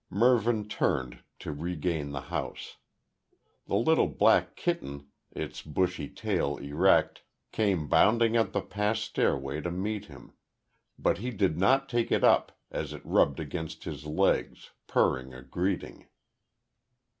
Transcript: Mervyn turned to regain the house. The little black kitten, its bushy tail erect, came bounding up the path stairway to meet him, but he did not take it up, as it rubbed against his legs, purring a greeting.